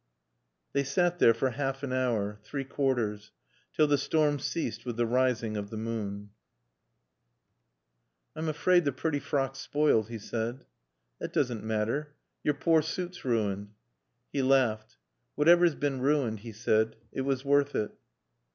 They sat there for half an hour; three quarters; till the storm ceased with the rising of the moon. "I'm afraid the pretty frock's spoiled," he said. "That doesn't matter. Your poor suit's ruined." He laughed. "Whatever's been ruined," he said, "it was worth it."